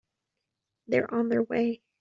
They're on their way.